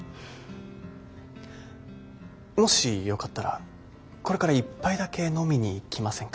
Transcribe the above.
もしよかったらこれから１杯だけ飲みに行きませんか？